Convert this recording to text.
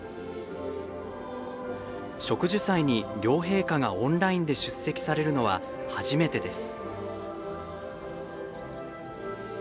植樹祭に、両陛下がオンラインで出席されるのは初めてです。